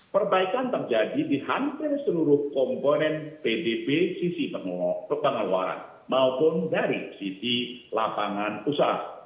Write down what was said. perbaikan terjadi di hampir seluruh komponen pdb sisi pengeluaran maupun dari sisi lapangan usaha